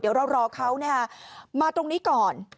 เดี๋ยวเรารอเขามาตรงนี้ก่อน